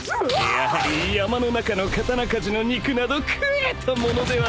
「やはり山の中の刀鍛治の肉など喰えたものではないわ」